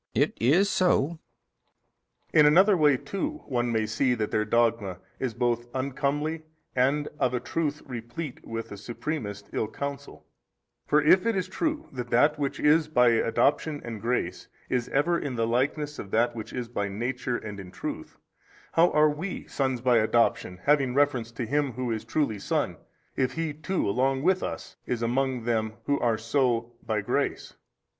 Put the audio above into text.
B. It is so. A. In another way too one may see that their dogma is both uncomely and of a truth replete with the supremest ill counsel: for if it is true that that which is by adoption and grace is ever in the likeness of that which is by nature and in truth, how are WE sons by adoption, having reference to Him Who is truly Son if He too along with us is among them who are so by grace?